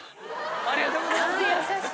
・ありがとうございます！